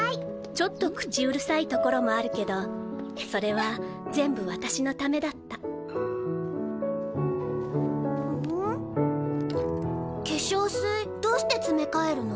ちょっと口うるさいところもあるけどそれは全部私のためだった化粧水どうしてつめかえるの？